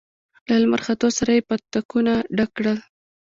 له لمر ختو سره يې پتکونه ډک کړل.